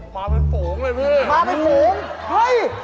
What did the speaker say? มาเป็นฝูงเลยพี่มาเป็นฝูงเฮ้ย